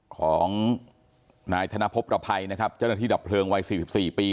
ของนายธนพพระภัยเจ้าหน้าที่ดับเพลิงไว้๔๔ปี